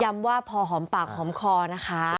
ว่าพอหอมปากหอมคอนะคะ